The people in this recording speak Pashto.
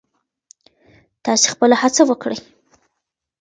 تاسې خپله هڅه وکړئ.